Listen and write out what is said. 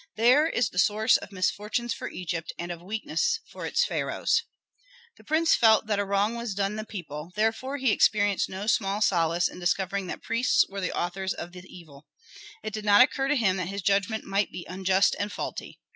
There is the source of misfortunes for Egypt and of weakness for its pharaohs!" The prince felt that a wrong was done the people; therefore he experienced no small solace in discovering that priests were the authors of this evil. It did not occur to him that his judgment might be unjust and faulty.